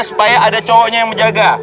supaya ada cowoknya yang menjaga